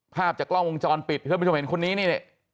ภาพจากกล้องวงจรปิดเพื่อให้ผู้ชมเห็นคนนี้เนี่ยเนี่ย